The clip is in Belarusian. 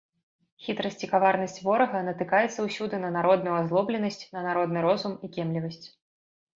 Хітрасць і каварнасць ворага натыкаецца ўсюды на народную азлобленасць, на народны розум і кемлівасць.